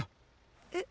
えっ。